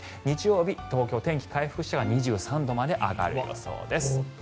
日曜日、東京は天気が回復して２３度まで上がる予想です。